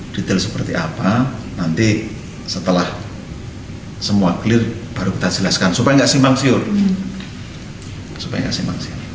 detail seperti apa nanti setelah semua clear baru kita jelaskan supaya gak simpang siur